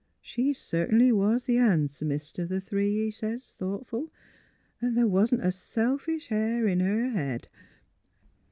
' She certainly was the han'somest o' th' three! ' he sez, thoughtful; 'an' th' wa'n't a selfish hair in her head.'